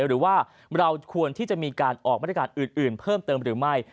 หรือว่าเราควรที่จะมีการออกมาตรการอื่นเพิ่มเติมหรือไม่